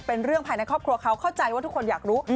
เป็นเรื่องภายในครอบครัวเขาเข้าใจว่าทุกคนอยากรู้